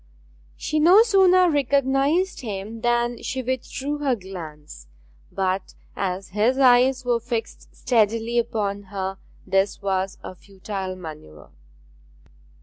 She no sooner recognized him than she withdrew her glance; but as his eyes were fixed steadily upon her this was a futile manoeuvre.